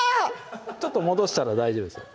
ちょっと戻したら大丈夫ですよ